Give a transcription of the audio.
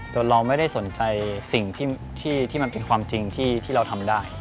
เราไม่ได้สนใจสิ่งที่มันเป็นความจริงที่เราทำได้